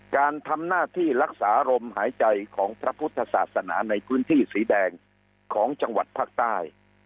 การทำหน้าที่รักษาลมหายใจของพระพุทธศาสนาในพื้นที่สีแดงของจังหวัดภาคใต้